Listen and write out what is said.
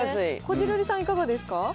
こじるりさん、いかがですか